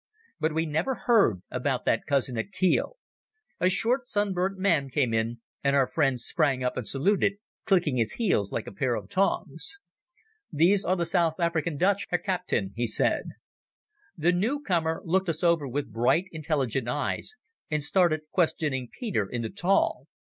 But we never heard about that cousin at Kiel. A short sunburnt man came in and our friend sprang up and saluted, clicking his heels like a pair of tongs. "These are the South African Dutch, Herr Captain," he said. The new comer looked us over with bright intelligent eyes, and started questioning Peter in the taal.